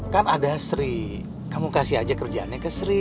kan ada sri kamu kasih aja kerjaannya ke sri